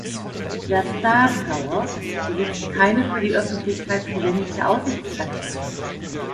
Der Star Tower besitzt keine für die Öffentlichkeit zugängliche Aussichtsplattform.